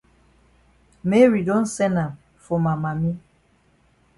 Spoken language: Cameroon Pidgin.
Mary don send am for ma mami.